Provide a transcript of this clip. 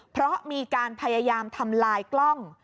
เพราะมีการพยายามทำลายกล้อง